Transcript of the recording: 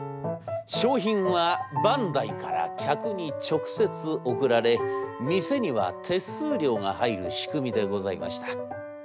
商品はバンダイから客に直接送られ店には手数料が入る仕組みでございました。